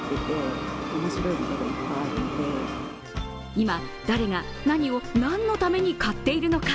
今、誰が、何を、何のために買っているのか？